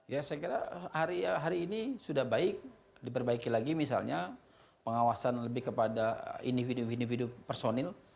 ya saya kira hari ini sudah baik diperbaiki lagi misalnya pengawasan lebih kepada individu individu personil